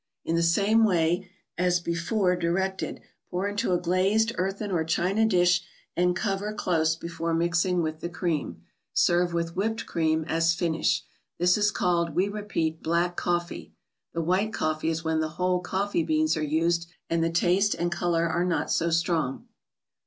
In the same way as before directed, pour into a glazed earthen or china dish and cover close before mixing with the cream. Serve with Whipped Cream as finish. This is called, we repeat, " Black Coffee "; the " White Coffee " is when the whole coffee beans are used; and the taste and color are not so strong.